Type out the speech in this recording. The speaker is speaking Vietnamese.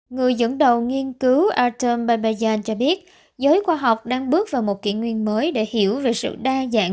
người dẫn đầu nghiên cứu atom babean cho biết giới khoa học đang bước vào một kỷ nguyên mới để hiểu về sự đa dạng